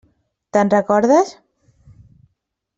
Te'n recordes?